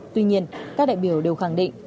tuy nhiên các đại biểu đều khẳng định